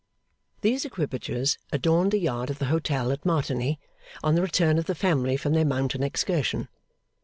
These equipages adorned the yard of the hotel at Martigny, on the return of the family from their mountain excursion.